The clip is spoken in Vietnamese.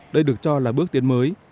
đây được cho là bước tiến mới